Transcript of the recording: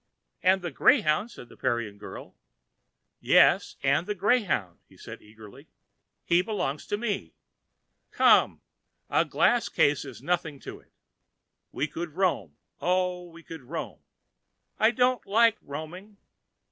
"And the greyhound," said the Parian girl.[Pg 751] "Yes, and the greyhound," said he eagerly. "He belongs to me. Come, a glass case is nothing to it. We could roam; oh, we could roam!" "I don't like roaming."